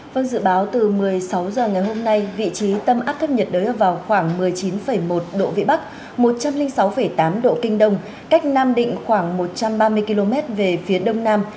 vâng dự báo từ một mươi sáu h ngày hôm nay vị trí tâm áp thấp nhiệt đới ở vào khoảng một mươi chín một độ vĩ bắc một trăm linh sáu tám độ kinh đông cách nam định khoảng một trăm ba mươi km về phía đông nam